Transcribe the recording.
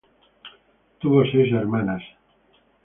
Tuvo seis hermanas.